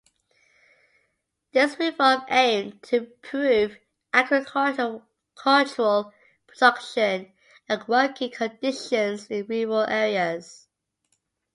This reform aimed to improve agricultural production and working conditions in rural areas.